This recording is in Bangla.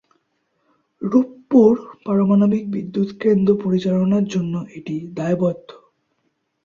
রূপপুর পারমাণবিক বিদ্যুৎকেন্দ্র পরিচালনার জন্য এটি দায়বদ্ধ।